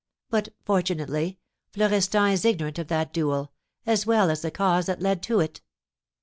"But, fortunately, Florestan is ignorant of that duel, as well as the cause that led to it."